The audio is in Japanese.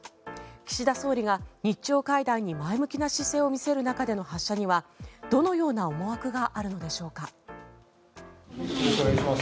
岸田総理が日朝会談に前向きな姿勢を見せる中での発射にはどのような思惑があるのでしょうか。